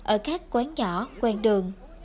ở các quán nhỏ quen đường